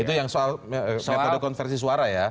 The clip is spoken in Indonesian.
itu yang soal metode konversi suara ya